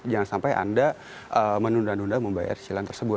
jangan sampai anda menunda nunda membayar cicilan tersebut